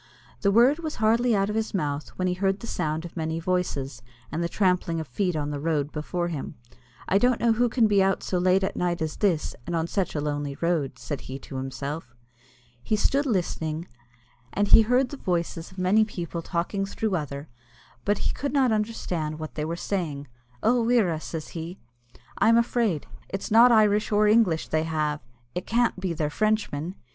The word was hardly out of his mouth, when he heard the sound of many voices, and the trampling of feet on the road before him. "I don't know who can be out so late at night as this, and on such a lonely road," said he to himself. He stood listening, and he heard the voices of many people talking through other, but he could not understand what they were saying. "Oh, wirra!" says he, "I'm afraid. It's not Irish or English they have; it can't be they're Frenchmen!"